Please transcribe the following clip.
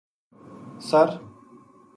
سر